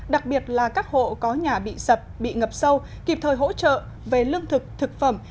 đặc biệt là các hộ có nhà bị sập bị ngập sâu kịp thời hỗ trợ về lương thực thực phẩm